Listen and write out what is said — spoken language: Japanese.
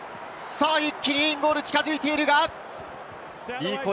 一気にインゴールに近づいている。